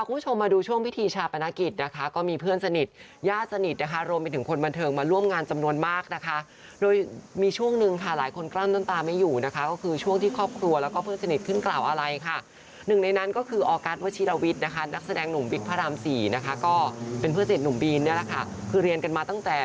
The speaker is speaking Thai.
ก็จะแพ้ยอมใช้ชีวิตต่อไปไม่ให้น้องเป็นห่วง